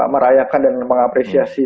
merayakan dan mengapresiasi